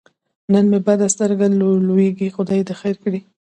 نن مې بده سترګه لوېږي خدای دې خیر کړي.